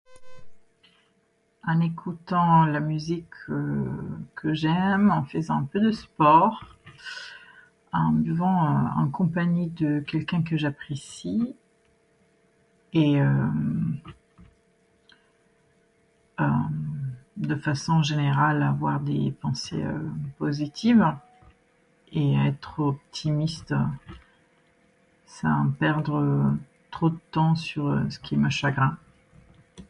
en écoutant la musique que j'aime, en faisant un peu de sport, en buvant en compagnie de quelqu'un que j'apprécie, et de façon générale avoir des pensées positives et être optimiste sans perdre trop de temps sur ce qui me chagrine